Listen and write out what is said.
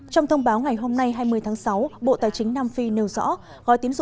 trong thông báo ngày hôm nay hai mươi tháng sáu bộ tài chính nam phi nêu rõ